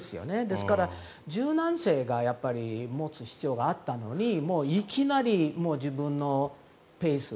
ですから柔軟性を持つ必要があったのにいきなり自分のペース